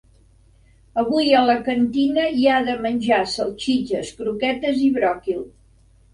Avui a la cantina hi ha de menjar salsitxes, croquetes i bròquil.